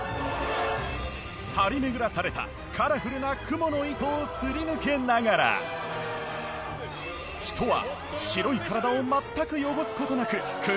張り巡らされたカラフルなクモの糸をすり抜けながら人は白い体を全く汚す事なくくぐり抜けられるのか？